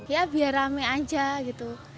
ya biar rame aja gitu